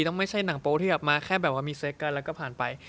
ต้องไม่ใช่หนังโป๊ที่แบบมาแค่แบบว่ามีเซ็กเกิ้ลแล้วก็ผ่านไป